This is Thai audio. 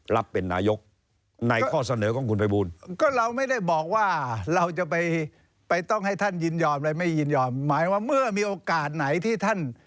รับเป็นนายกไหนข้อเสนอกลุ้นคุณพระบูรณ์